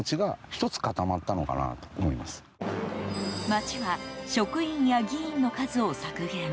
町は、職員や議員の数を削減。